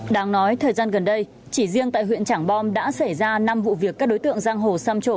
đáng nói thời gian gần đây chỉ riêng tại huyện trảng bom đã xảy ra năm vụ việc các đối tượng giang hồ xăm trộm